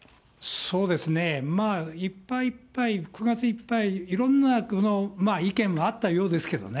そうですね、いっぱいいっぱい、９月いっぱい、いろんな意見もあったようですけどね。